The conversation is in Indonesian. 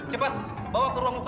cepat bawa ke ruang up